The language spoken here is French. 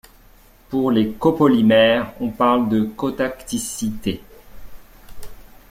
Pour les copolymères, on parle de cotacticité.